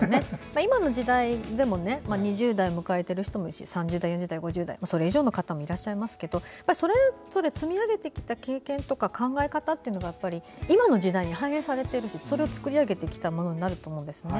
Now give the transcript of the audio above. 今の時代でも２０代を迎えてる人も３０代、４０代、５０代それ以上の方もいらっしゃいますがそれぞれ積み上げてきた経験や考え方が今の時代に反映されてるしそれが時代を作り上げてきたものになると思うんです。